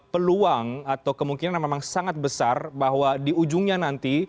peluang atau kemungkinan memang sangat besar bahwa di ujungnya nanti